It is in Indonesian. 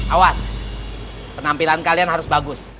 awas penampilan kalian harus bagus